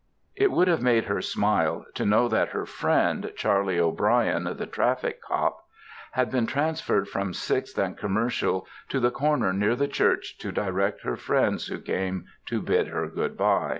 It would have made her smile to know that her friend, Charley O'Brien, the traffic cop, had been transferred from Sixth and Commercial to the corner near the church to direct her friends who came to bid her good by.